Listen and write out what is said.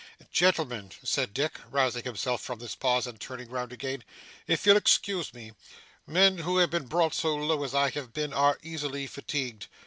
'Gentlemen,' said Dick, rousing himself from this pause, and turning round again, 'you'll excuse me. Men who have been brought so low as I have been, are easily fatigued.